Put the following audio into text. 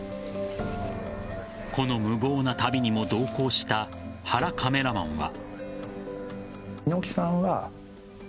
この無謀な旅に同行した原カメラマンは。